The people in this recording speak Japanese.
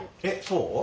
そう？